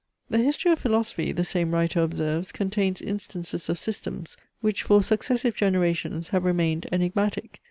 The history of philosophy (the same writer observes) contains instances of systems, which for successive generations have remained enigmatic.